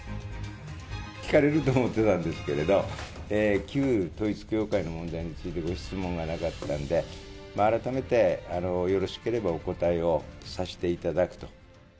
聞かれると思ってたんですけれど、旧統一教会の問題についてご質問がなかったので、改めてよろしければお答えをさせていただくと。